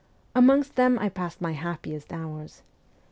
Amongst them I passed my happiest hours.